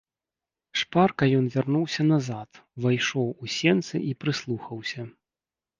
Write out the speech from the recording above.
Шпарка ён вярнуўся назад, увайшоў у сенцы і прыслухаўся.